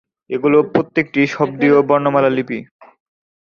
এগুলির প্রত্যেকটিই শব্দীয় বর্ণমালা লিপি।